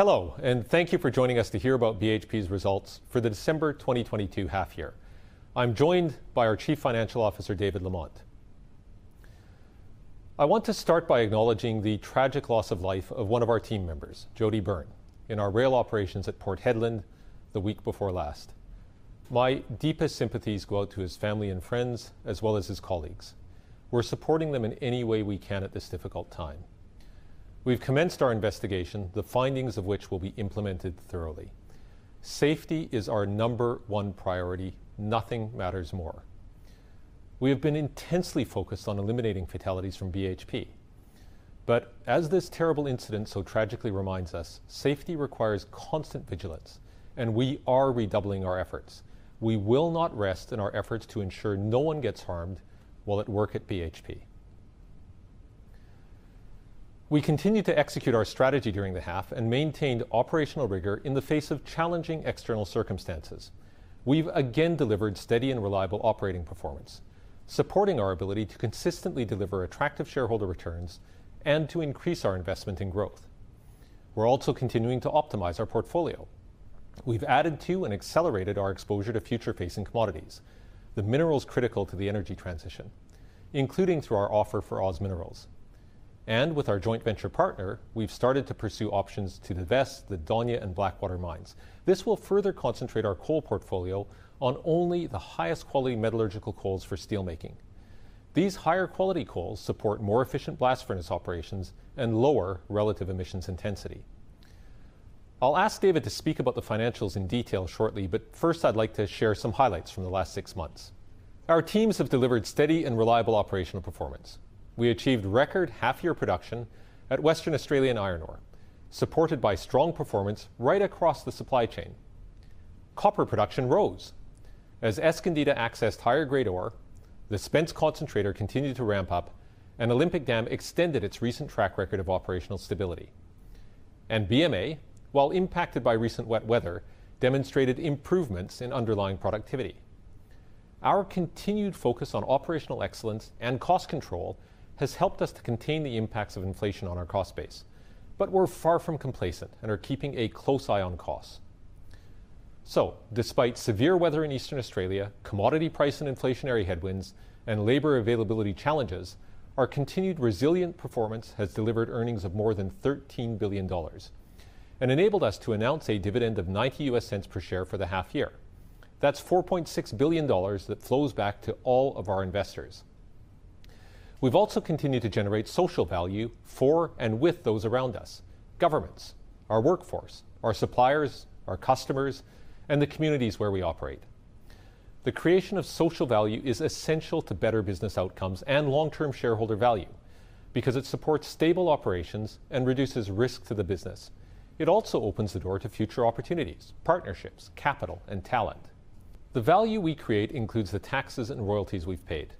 Hello, thank you for joining us to hear about BHP's results for the December 2022 half-year. I'm joined by our Chief Financial Officer, David Lamont. I want to start by acknowledging the tragic loss of life of one of our team members, Jody Byrne, in our rail operations at Port Hedland the week before last. My deepest sympathies go out to his family and friends, as well as his colleagues. We're supporting them in any way we can at this difficult time. We've commenced our investigation, the findings of which will be implemented thoroughly. Safety is our number one priority. Nothing matters more. We have been intensely focused on eliminating fatalities from BHP, but as this terrible incident so tragically reminds us, safety requires constant vigilance, and we are redoubling our efforts. We will not rest in our efforts to ensure no one gets harmed while at work at BHP. We continued to execute our strategy during the half and maintained operational rigor in the face of challenging external circumstances. We've again delivered steady and reliable operating performance, supporting our ability to consistently deliver attractive shareholder returns and to increase our investment in growth. We're also continuing to optimize our portfolio. We've added to and accelerated our exposure to future-facing commodities, the minerals critical to the energy transition, including through our offer for OZ Minerals. With our joint venture partner, we've started to pursue options to divest the Daunia and Blackwater mines. This will further concentrate our coal portfolio on only the highest quality metallurgical coals for steelmaking. These higher quality coals support more efficient blast furnace operations and lower relative emissions intensity. I'll ask David to speak about the financials in detail shortly, but first I'd like to share some highlights from the last six months. Our teams have delivered steady and reliable operational performance. We achieved record half-year production at Western Australian Iron Ore, supported by strong performance right across the supply chain. Copper production rose as Escondida accessed higher-grade ore, the Spence concentrator continued to ramp up, and Olympic Dam extended its recent track record of operational stability. BMA, while impacted by recent wet weather, demonstrated improvements in underlying productivity. Our continued focus on operational excellence and cost control has helped us to contain the impacts of inflation on our cost base, but we're far from complacent and are keeping a close eye on costs. Despite severe weather in Eastern Australia, commodity price and inflationary headwinds, and labor availability challenges, our continued resilient performance has delivered earnings of more than $13 billion and enabled us to announce a dividend of $0.90 per share for the half year. That's $4.6 billion that flows back to all of our investors. We've also continued to generate social value for and with those around us, governments, our workforce, our suppliers, our customers, and the communities where we operate. The creation of social value is essential to better business outcomes and long-term shareholder value because it supports stable operations and reduces risk to the business. It also opens the door to future opportunities, partnerships, capital, and talent. The value we create includes the taxes and royalties we've paid.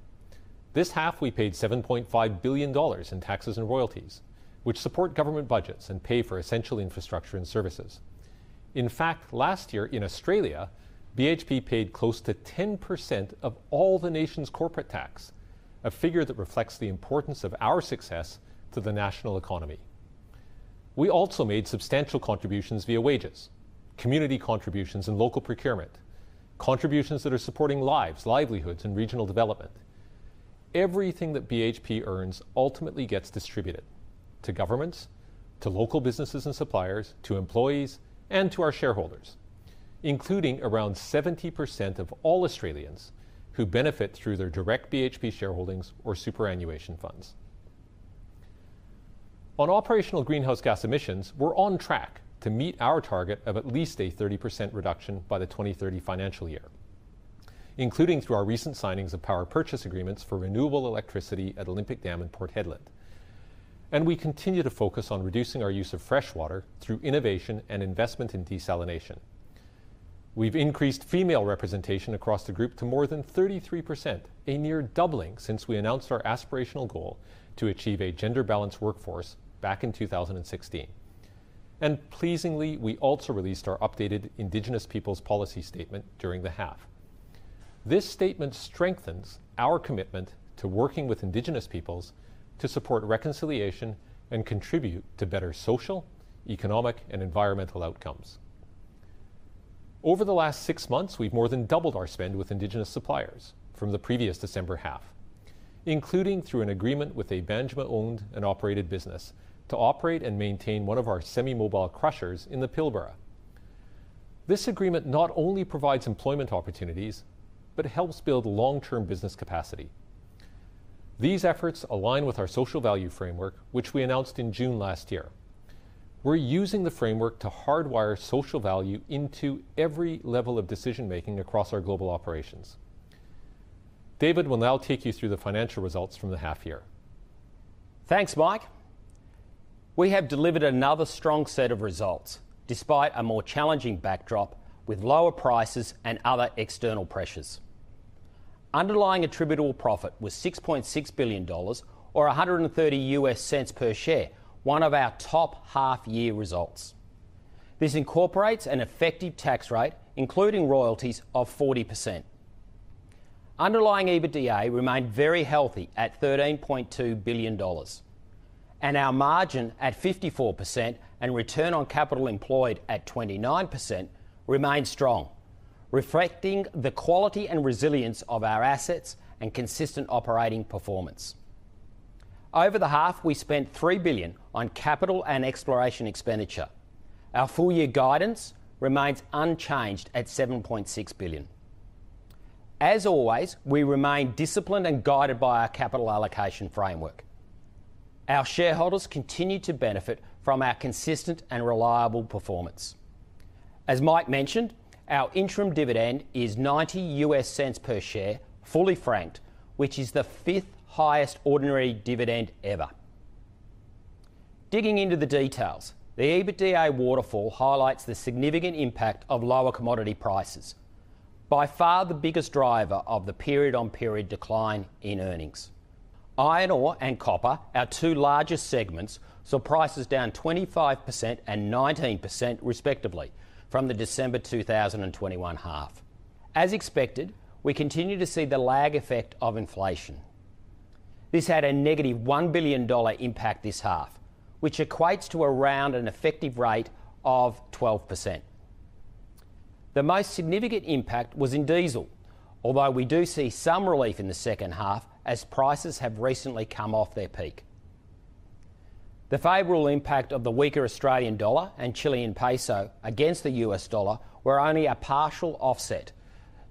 This half, we paid $7.5 billion in taxes and royalties, which support government budgets and pay for essential infrastructure and services. In fact, last year in Australia, BHP paid close to 10% of all the nation's corporate tax, a figure that reflects the importance of our success to the national economy. We also made substantial contributions via wages, community contributions, and local procurement, contributions that are supporting lives, livelihoods, and regional development. Everything that BHP earns ultimately gets distributed to governments, to local businesses and suppliers, to employees, and to our shareholders, including around 70% of all Australians who benefit through their direct BHP shareholdings or superannuation funds. On operational greenhouse gas emissions, we're on track to meet our target of at least a 30% reduction by the 2030 financial year, including through our recent signings of power purchase agreements for renewable electricity at Olympic Dam and Port Hedland. We continue to focus on reducing our use of freshwater through innovation and investment in desalination. We've increased female representation across the group to more than 33%, a near doubling since we announced our aspirational goal to achieve a gender-balanced workforce back in 2016. Pleasingly, we also released our updated Indigenous Peoples Policy Statement during the half. This statement strengthens our commitment to working with indigenous peoples to support reconciliation and contribute to better social, economic, and environmental outcomes. Over the last six months, we've more than doubled our spend with Indigenous suppliers from the previous December half, including through an agreement with a Banjima owned and operated business to operate and maintain one of our semi-mobile crushers in the Pilbara. This agreement not only provides employment opportunities but helps build long-term business capacity. These efforts align with our social value framework, which we announced in June last year. We're using the framework to hardwire social value into every level of decision-making across our global operations. David will now take you through the financial results from the half year. Thanks, Mike. We have delivered another strong set of results despite a more challenging backdrop with lower prices and other external pressures. Underlying attributable profit was $6.6 billion or $1.30 per share, one of our top half year results. This incorporates an effective tax rate, including royalties, of 40%. Underlying EBITDA remained very healthy at $13.2 billion, and our margin at 54% and return on capital employed at 29% remained strong, reflecting the quality and resilience of our assets and consistent operating performance. Over the half, we spent $3 billion on capital and exploration expenditure. Our full year guidance remains unchanged at $7.6 billion. As always, we remain disciplined and guided by our Capital Allocation Framework. Our shareholders continue to benefit from our consistent and reliable performance. As Mike mentioned, our interim dividend is $0.90 per share, fully franked, which is the fifth highest ordinary dividend ever. Digging into the details, the EBITDA waterfall highlights the significant impact of lower commodity prices, by far the biggest driver of the period on period decline in earnings. Iron ore and copper, our two largest segments, saw prices down 25% and 19% respectively from the December 2021 half. As expected, we continue to see the lag effect of inflation. This had a -$1 billion impact this half, which equates to around an effective rate of 12%. The most significant impact was in diesel, although we do see some relief in the second half as prices have recently come off their peak. The favorable impact of the weaker Australian dollar and Chilean peso against the U.S. dollar were only a partial offset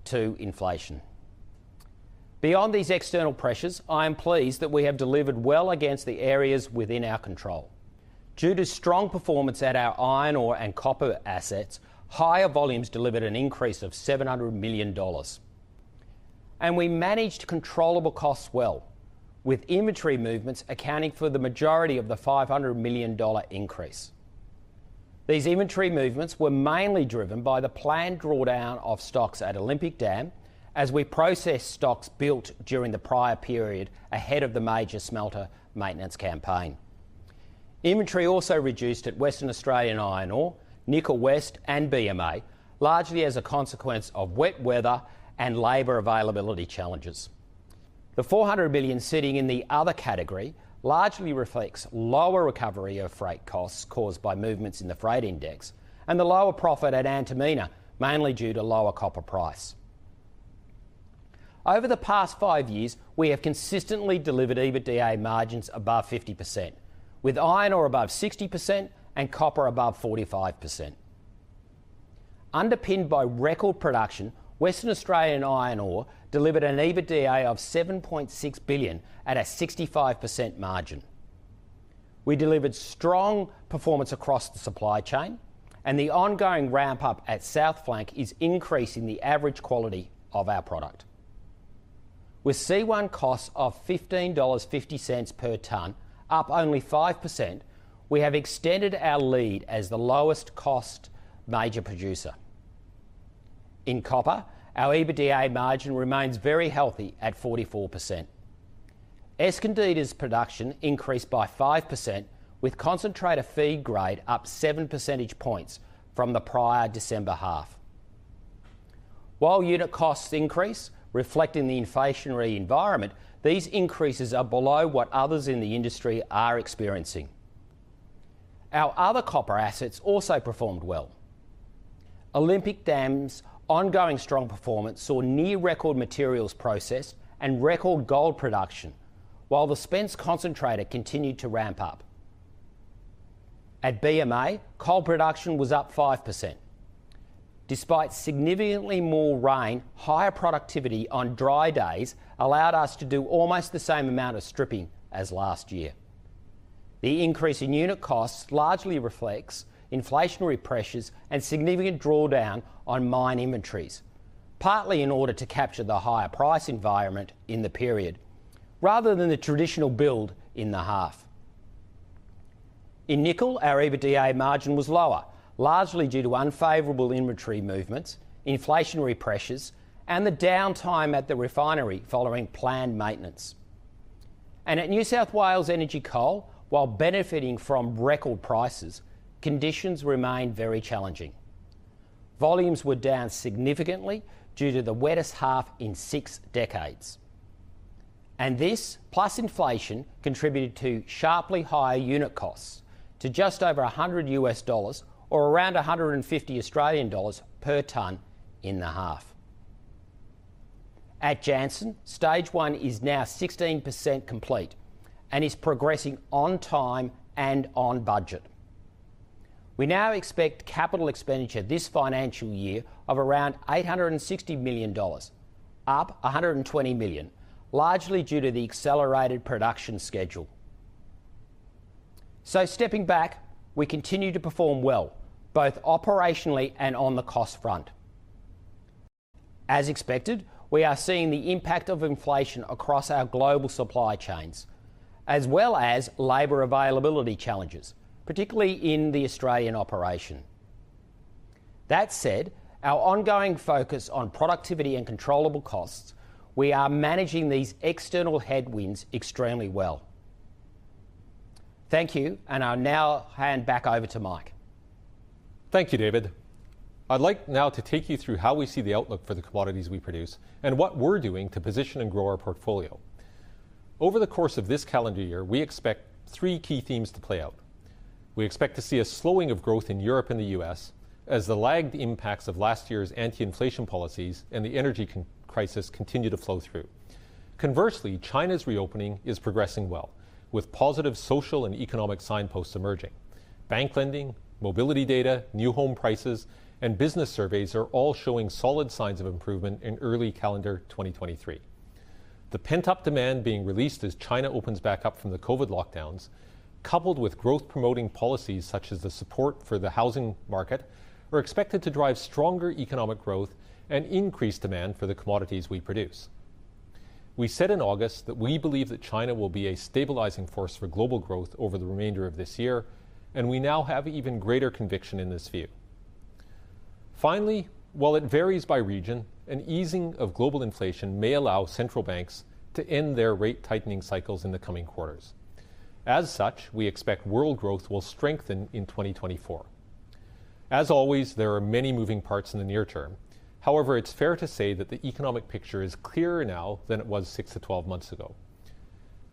to inflation. Beyond these external pressures, I am pleased that we have delivered well against the areas within our control. Due to strong performance at our iron ore and copper assets, higher volumes delivered an increase of $700 million. We managed controllable costs well, with inventory movements accounting for the majority of the $500 million increase. These inventory movements were mainly driven by the planned drawdown of stocks at Olympic Dam as we processed stocks built during the prior period ahead of the major smelter maintenance campaign. Inventory also reduced at Western Australian Iron Ore, Nickel West, and BMA, largely as a consequence of wet weather and labor availability challenges. The $400 million sitting in the other category largely reflects lower recovery of freight costs caused by movements in the freight index and the lower profit at Antamina, mainly due to lower copper price. Over the past five years, we have consistently delivered EBITDA margins above 50%, with iron ore above 60% and copper above 45%. Underpinned by record production, Western Australia Iron Ore delivered an EBITDA of $7.6 billion at a 65% margin. We delivered strong performance across the supply chain, and the ongoing ramp up at South Flank is increasing the average quality of our product. With C1 costs of $15.50 per tonne, up only 5%, we have extended our lead as the lowest cost major producer. In copper, our EBITDA margin remains very healthy at 44%. Escondida's production increased by 5% with concentrator feed grade up 7 percentage points from the prior December half. While unit costs increase, reflecting the inflationary environment, these increases are below what others in the industry are experiencing. Our other copper assets also performed well. Olympic Dam's ongoing strong performance saw near record materials process and record gold production, while the Spence concentrator continued to ramp up. At BMA, coal production was up 5%. Despite significantly more rain, higher productivity on dry days allowed us to do almost the same amount of stripping as last year. The increase in unit costs largely reflects inflationary pressures and significant drawdown on mine inventories, partly in order to capture the higher price environment in the period rather than the traditional build in the half. In nickel, our EBITDA margin was lower, largely due to unfavorable inventory movements, inflationary pressures, and the downtime at the refinery following planned maintenance. At New South Wales Energy Coal, while benefiting from record prices, conditions remained very challenging. Volumes were down significantly due to the wettest half in six decades. This, plus inflation, contributed to sharply higher unit costs to just over $100 or around 150 Australian dollars per tonne in the half. At Jansen, stage one is now 16% complete and is progressing on time and on budget. We now expect capital expenditure this financial year of around $860 million, up $120 million, largely due to the accelerated production schedule. Stepping back, we continue to perform well, both operationally and on the cost front. As expected, we are seeing the impact of inflation across our global supply chains, as well as labor availability challenges, particularly in the Australian operation. That said, our ongoing focus on productivity and controllable costs, we are managing these external headwinds extremely well. Thank you. I'll now hand back over to Mike. Thank you, David. I'd like now to take you through how we see the outlook for the commodities we produce and what we're doing to position and grow our portfolio. Over the course of this calendar year, we expect three key themes to play out. We expect to see a slowing of growth in Europe and the U.S. as the lagged impacts of last year's anti-inflation policies and the energy crisis continue to flow through. Conversely, China's reopening is progressing well, with positive social and economic signposts emerging. Bank lending, mobility data, new home prices, and business surveys are all showing solid signs of improvement in early calendar 2023. The pent-up demand being released as China opens back up from the COVID lockdowns, coupled with growth-promoting policies such as the support for the housing market, are expected to drive stronger economic growth and increase demand for the commodities we produce. We said in August that we believe that China will be a stabilizing force for global growth over the remainder of this year, and we now have even greater conviction in this view. Finally, while it varies by region, an easing of global inflation may allow central banks to end their rate tightening cycles in the coming quarters. As such, we expect world growth will strengthen in 2024. As always, there are many moving parts in the near term. However, it's fair to say that the economic picture is clearer now than it was six-12 months ago.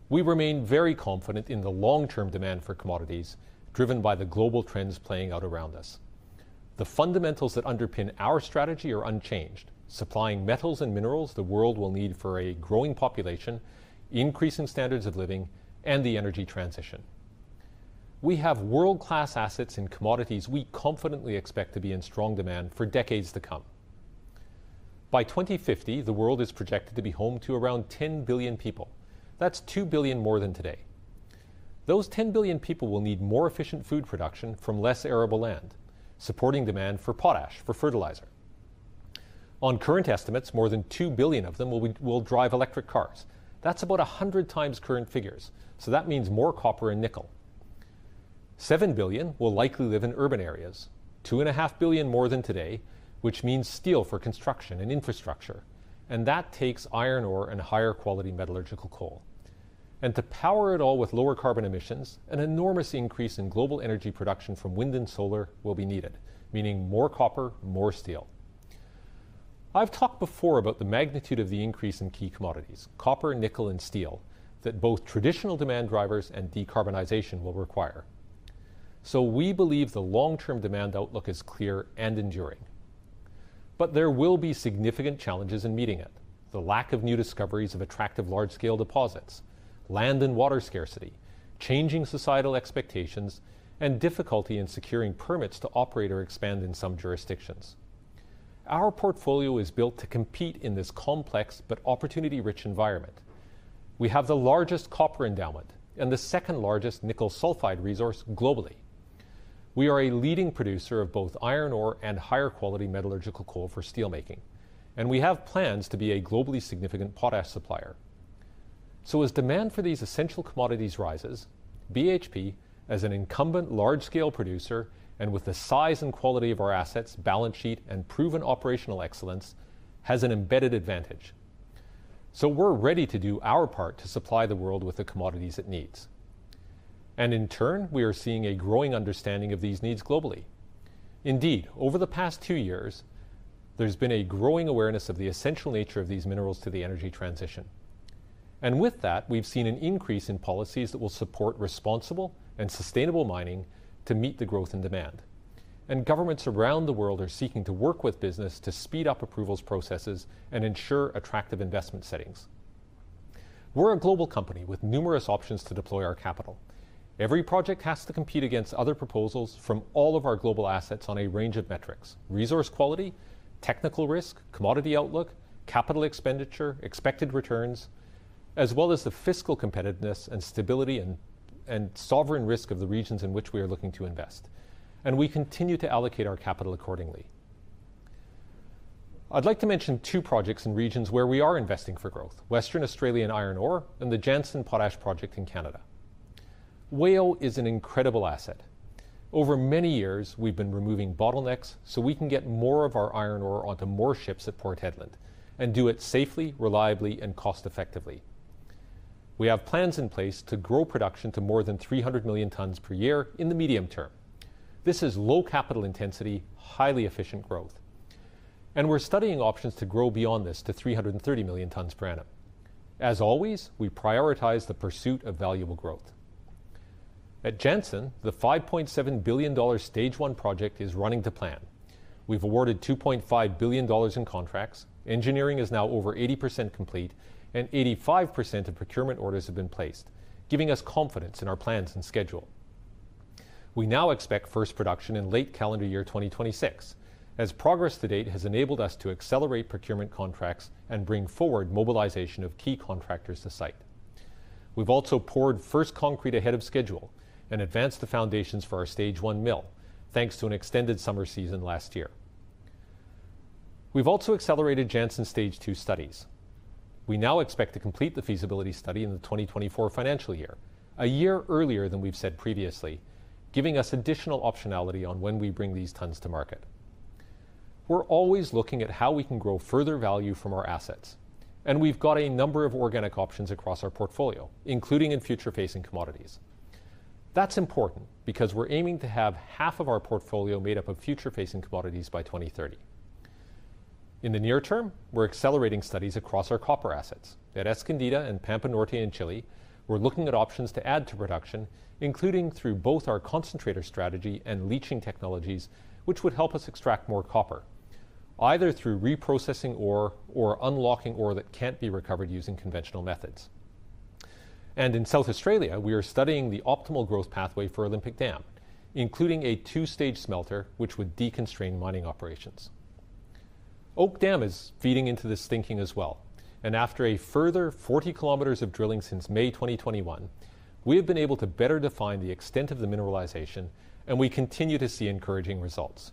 We remain very confident in the long-term demand for commodities driven by the global trends playing out around us. The fundamentals that underpin our strategy are unchanged, supplying metals and minerals the world will need for a growing population, increasing standards of living, and the energy transition. We have world-class assets and commodities we confidently expect to be in strong demand for decades to come. By 2050, the world is projected to be home to around 10 billion people. That's 2 billion more than today. Those 10 billion people will need more efficient food production from less arable land, supporting demand for potash for fertilizer. On current estimates, more than 2 billion of them will drive electric cars. That's about 100x current figures, so that means more copper and nickel. 7 billion will likely live in urban areas, 2.5 billion more than today, which means steel for construction and infrastructure. That takes iron ore and higher quality metallurgical coal. To power it all with lower carbon emissions, an enormous increase in global energy production from wind and solar will be needed, meaning more copper, more steel. I've talked before about the magnitude of the increase in key commodities, copper, nickel, and steel, that both traditional demand drivers and decarbonization will require. We believe the long-term demand outlook is clear and enduring. There will be significant challenges in meeting it. The lack of new discoveries of attractive large-scale deposits, land and water scarcity, changing societal expectations, and difficulty in securing permits to operate or expand in some jurisdictions. Our portfolio is built to compete in this complex but opportunity-rich environment. We have the largest copper endowment and the second-largest nickel sulfide resource globally. We are a leading producer of both iron ore and higher quality metallurgical coal for steelmaking, and we have plans to be a globally significant potash supplier. As demand for these essential commodities rises, BHP, as an incumbent large-scale producer and with the size and quality of our assets, balance sheet, and proven operational excellence, has an embedded advantage. We're ready to do our part to supply the world with the commodities it needs. In turn, we are seeing a growing understanding of these needs globally. Indeed, over the past two years, there's been a growing awareness of the essential nature of these minerals to the energy transition. With that, we've seen an increase in policies that will support responsible and sustainable mining to meet the growth and demand. Governments around the world are seeking to work with business to speed up approvals processes and ensure attractive investment settings. We're a global company with numerous options to deploy our capital. Every project has to compete against other proposals from all of our global assets on a range of metrics: resource quality, technical risk, commodity outlook, capital expenditure, expected returns, as well as the fiscal competitiveness and stability and sovereign risk of the regions in which we are looking to invest. We continue to allocate our capital accordingly. I'd like to mention two projects in regions where we are investing for growth, Western Australia Iron Ore and the Jansen potash project in Canada. WAIO is an incredible asset. Over many years, we've been removing bottlenecks so we can get more of our iron ore onto more ships at Port Hedland and do it safely, reliably, and cost-effectively. We have plans in place to grow production to more than 300 million tons per year in the medium term. This is low capital intensity, highly efficient growth. We're studying options to grow beyond this to 330 million tons per annum. As always, we prioritize the pursuit of valuable growth. At Jansen, the $5.7 billion stage one project is running to plan. We've awarded $2.5 billion in contracts. Engineering is now over 80% complete, and 85% of procurement orders have been placed, giving us confidence in our plans and schedule. We now expect first production in late calendar year 2026, as progress to date has enabled us to accelerate procurement contracts and bring forward mobilization of key contractors to site. We've also poured first concrete ahead of schedule and advanced the foundations for our Stage 1 mill, thanks to an extended summer season last year. We've also accelerated Jansen Stage 2 studies. We now expect to complete the feasibility study in the 2024 financial year, a year earlier than we've said previously, giving us additional optionality on when we bring these tons to market. We're always looking at how we can grow further value from our assets, and we've got a number of organic options across our portfolio, including in future-facing commodities. That's important because we're aiming to have half of our portfolio made up of future-facing commodities by 2030. In the near term, we're accelerating studies across our copper assets. At Escondida and Pampa Norte in Chile, we're looking at options to add to production, including through both our concentrator strategy and leaching technologies, which would help us extract more copper, either through reprocessing ore or unlocking ore that can't be recovered using conventional methods. In South Australia, we are studying the optimal growth pathway for Olympic Dam, including a two-stage smelter, which would deconstrain mining operations. Oak Dam is feeding into this thinking as well. After a further 40 km of drilling since May 2021, we have been able to better define the extent of the mineralization, and we continue to see encouraging results.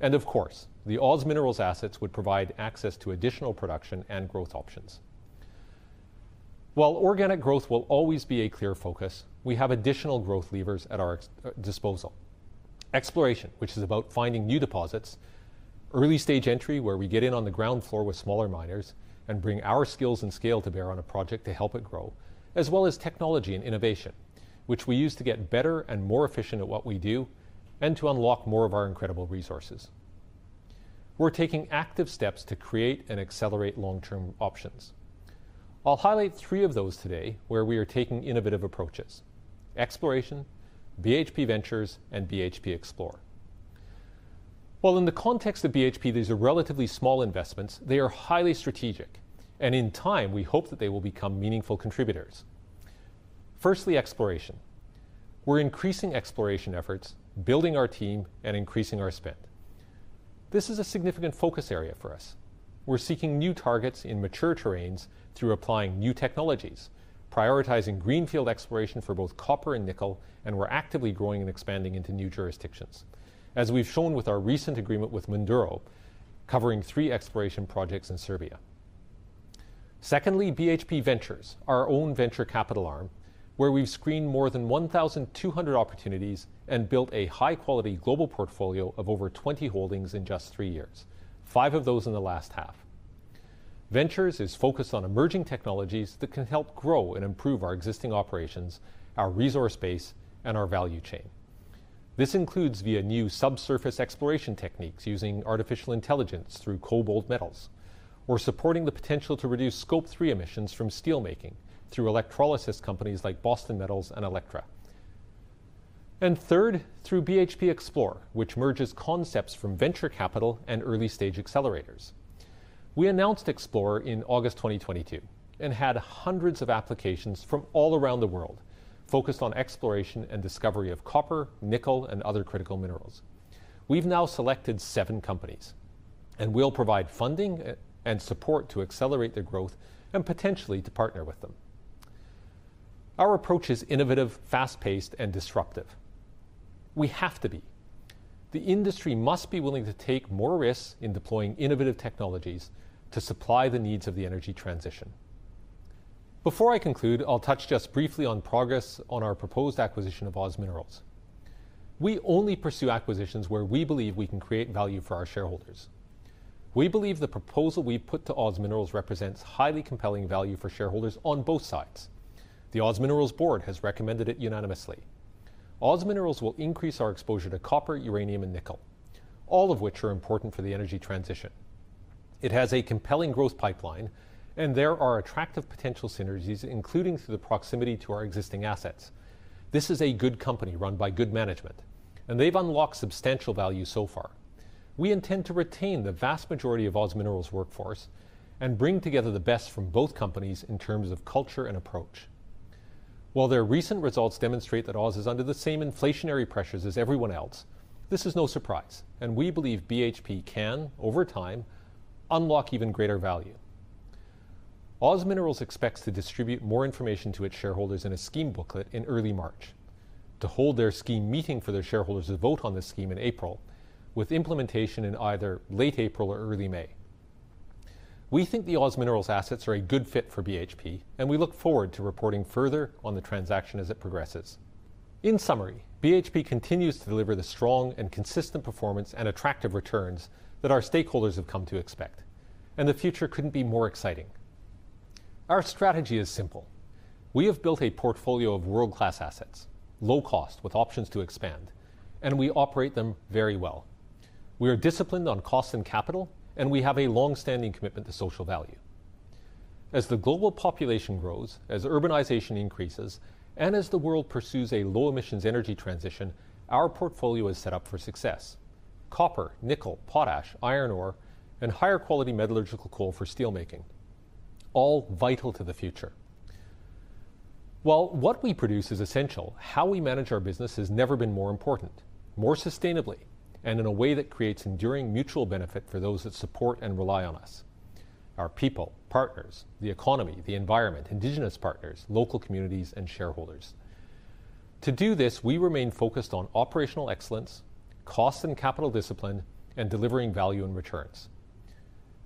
Of course, the OZ Minerals assets would provide access to additional production and growth options. While organic growth will always be a clear focus, we have additional growth levers at our disposal. Exploration, which is about finding new deposits, early-stage entry, where we get in on the ground floor with smaller miners and bring our skills and scale to bear on a project to help it grow, as well as technology and innovation, which we use to get better and more efficient at what we do and to unlock more of our incredible resources. We're taking active steps to create and accelerate long-term options. I'll highlight three of those today where we are taking innovative approaches: exploration, BHP Ventures, and BHP Xplor. While in the context of BHP, these are relatively small investments, they are highly strategic, and in time, we hope that they will become meaningful contributors. Firstly, exploration. We're increasing exploration efforts, building our team, and increasing our spend. This is a significant focus area for us. We're seeking new targets in mature terrains through applying new technologies, prioritizing greenfield exploration for both copper and nickel, and we're actively growing and expanding into new jurisdictions, as we've shown with our recent agreement with Mundoro, covering three exploration projects in Serbia. Secondly, BHP Ventures, our own venture capital arm, where we've screened more than 1,200 opportunities and built a high-quality global portfolio of over 20 holdings in just three years, five of those in the last half. Ventures is focused on emerging technologies that can help grow and improve our existing operations, our resource base, and our value chain. This includes via new subsurface exploration techniques using artificial intelligence through KoBold Metals. We're supporting the potential to reduce Scope 3 emissions from steelmaking through electrolysis companies like Boston Metal and Electra. Third, through BHP Xplor, which merges concepts from venture capital and early-stage accelerators. We announced Xplor in August 2022 and had hundreds of applications from all around the world focused on exploration and discovery of copper, nickel, and other critical minerals. We've now selected seven companies, and we'll provide funding and support to accelerate their growth and potentially to partner with them. Our approach is innovative, fast-paced, and disruptive. We have to be. The industry must be willing to take more risks in deploying innovative technologies to supply the needs of the energy transition. Before I conclude, I'll touch just briefly on progress on our proposed acquisition of OZ Minerals. We only pursue acquisitions where we believe we can create value for our shareholders. We believe the proposal we put to OZ Minerals represents highly compelling value for shareholders on both sides. The OZ Minerals board has recommended it unanimously. OZ Minerals will increase our exposure to copper, uranium, and nickel, all of which are important for the energy transition. It has a compelling growth pipeline, and there are attractive potential synergies, including through the proximity to our existing assets. This is a good company run by good management, and they've unlocked substantial value so far. We intend to retain the vast majority of OZ Minerals' workforce and bring together the best from both companies in terms of culture and approach. While their recent results demonstrate that OZ is under the same inflationary pressures as everyone else, this is no surprise, and we believe BHP can, over time, unlock even greater value. OZ Minerals expects to distribute more information to its shareholders in a scheme booklet in early March, to hold their scheme meeting for their shareholders to vote on the scheme in April, with implementation in either late April or early May. We think the OZ Minerals assets are a good fit for BHP, and we look forward to reporting further on the transaction as it progresses. In summary, BHP continues to deliver the strong and consistent performance and attractive returns that our stakeholders have come to expect, and the future couldn't be more exciting. Our strategy is simple. We have built a portfolio of world-class assets, low cost with options to expand, and we operate them very well. We are disciplined on cost and capital, and we have a long-standing commitment to social value. As the global population grows, as urbanization increases, and as the world pursues a low emissions energy transition, our portfolio is set up for success. Copper, nickel, potash, iron ore, and higher quality metallurgical coal for steelmaking, all vital to the future. While what we produce is essential, how we manage our business has never been more important, more sustainably, and in a way that creates enduring mutual benefit for those that support and rely on us, our people, partners, the economy, the environment, Indigenous partners, local communities, and shareholders. To do this, we remain focused on operational excellence, cost and capital discipline, and delivering value and returns.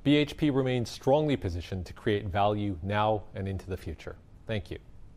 BHP remains strongly positioned to create value now and into the future. Thank you.